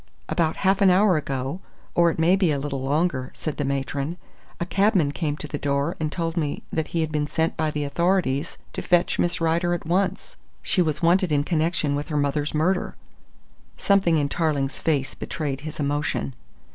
"About half an hour ago, or it may be a little longer," said the matron, "a cabman came to the door and told me that he had been sent by the authorities to fetch Miss Rider at once she was wanted in connection with her mother's murder." Something in Tarling's face betrayed his emotion.